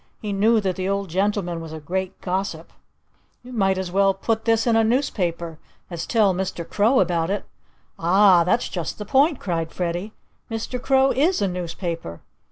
He knew that the old gentleman was a great gossip. "You might as well put this in a newspaper as tell Mr. Crow about it." "Ah! That's just the point!" cried Freddie. "Mr. Crow is a newspaper.